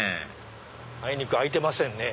あいにく開いてませんね。